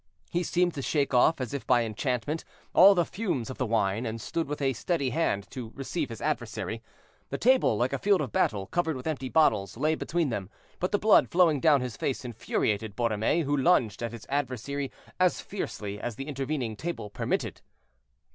He seemed to shake off, as if by enchantment, all the fumes of the wine, and stood with a steady hand to receive his adversary. The table, like a field of battle, covered with empty bottles, lay between them, but the blood flowing down his face infuriated Borromée, who lunged at his adversary as fiercely as the intervening table permitted.